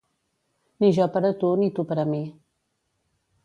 Ni jo per a tu, ni tu per a mi.